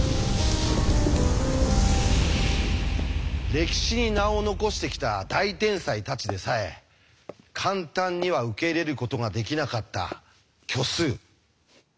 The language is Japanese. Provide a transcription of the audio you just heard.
歴史に名を残してきた大天才たちでさえ簡単には受け入れることができなかった虚数。